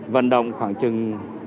vận động khoảng trừng